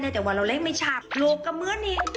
แต่ว่าเราเล่นไม่ชับโลกก็เหมือนเอง